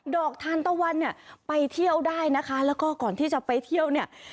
อกทานตะวันเนี่ยไปเที่ยวได้นะคะแล้วก็ก่อนที่จะไปเที่ยวเนี่ย